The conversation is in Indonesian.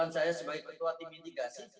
saya sebagai ketua tim mitigasi